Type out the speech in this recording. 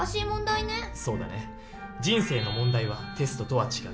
人生の問題はテストとは違う。